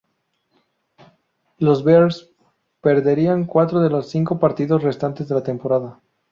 Los Bears perderían cuatro de los cinco partidos restantes de la temporada.